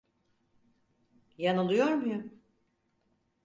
Yanılıyor muyum?